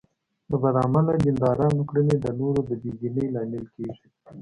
د بد عمله دیندارانو کړنې د نورو د بې دینۍ لامل کېږي.